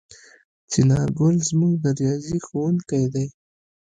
څنارګل زموږ د ریاضي ښؤونکی دی.